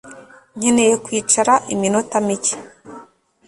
Nkeneye kwicara iminota mike